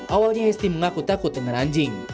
awalnya hesti mengaku takut dengan anjing